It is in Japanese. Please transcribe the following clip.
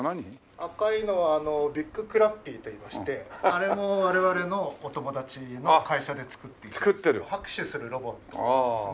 赤いのはあのビッグクラッピーといいましてあれも我々のお友達の会社で作っている拍手するロボットなんですね。